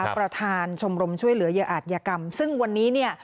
ประธานชมรมช่วยเหลือเหยื่ออาจยากรรมซึ่งวันนี้เนี่ย